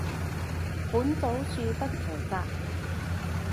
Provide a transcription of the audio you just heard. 本組恕不負責